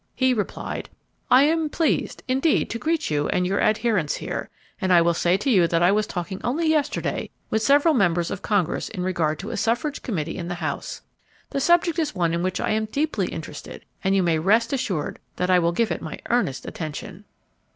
He replied: "I am pleased, indeed, to greet you and your adherents here, and I will say to you that I was talking only yesterday with several members of Congress in regard to a Suffrage Committee in the House. The subject is one in which I am deeply interested, and you may rest assured that I will give it my earnest attention."